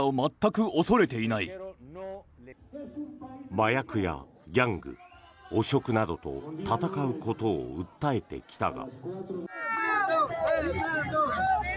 麻薬やギャング、汚職などと戦うことを訴えてきたが。